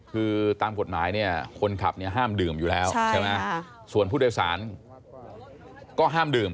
คือตามกฎหมายเนี่ยคนขับเนี่ยห้ามดื่มอยู่แล้วใช่ไหมส่วนผู้โดยสารก็ห้ามดื่ม